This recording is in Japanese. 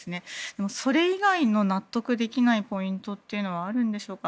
でも、それ以外の納得できないポイントはあるんでしょうか。